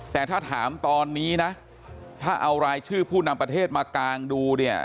แต่ถ้าถามตอนนี้นะถ้าเอารายชื่อผู้นำประเทศมากางดูเนี่ย